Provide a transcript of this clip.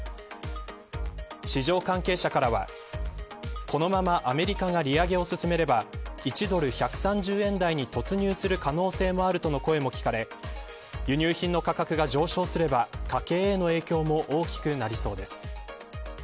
市場関係者からはこのままアメリカが利上げを進めれば１ドル１３０円台に突入する可能性もあるとの声も聞かれ輸入品の価格が上昇すれば家計への影響も大きくなりそうです。